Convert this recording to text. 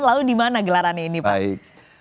lalu dimana gelarannya ini pak